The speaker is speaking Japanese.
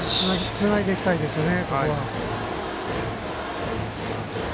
つないでいきたいですよね。